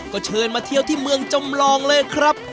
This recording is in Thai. ก็เชิญมาเที่ยวที่เมืองจำลองเลยครับ